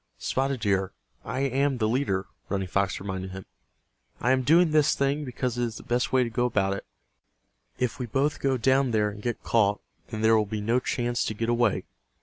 "Spotted Deer, I am the leader," Running Fox reminded him. "I am doing this thing because it is the best way to go about it. If we both go down there and get caught then there will be no chance to get away.